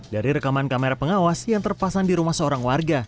dari rekaman kamera pengawas yang terpasang di rumah seorang warga